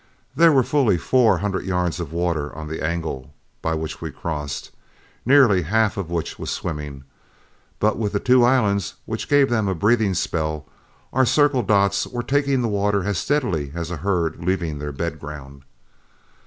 There was fully four hundred yards of water on the angle by which we crossed, nearly half of which was swimming, but with the two islands which gave them a breathing spell, our Circle Dots were taking the water as steadily as a herd leaving their bed ground.